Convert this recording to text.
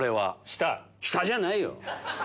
下じゃないよ。